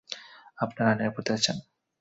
আপনারা নিরাপদ আছেন।